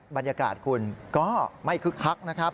บรรยากาศคุณก็ไม่คึกคักนะครับ